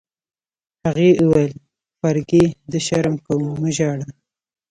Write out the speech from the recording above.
هغې وویل: فرګي، زه شرم کوم، مه ژاړه.